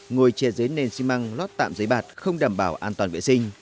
ngồi chè dế nền xi măng lót tạm giấy bạt không đảm bảo an toàn vệ sinh